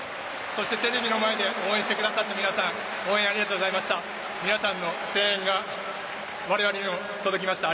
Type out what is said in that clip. そしてテレビの前で応援してくださった皆さん応援ありがとうございました。